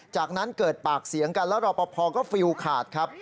จากนั้นเกิดปากเสียงกันแล้วรอปภก็ฟิลขาดครับ